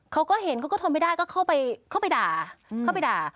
เขาก็เห็นเขาก็ทนไม่ได้ก็เข้าไปด่า